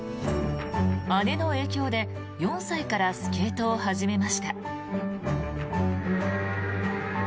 姉の影響で４歳からスケートを始めました。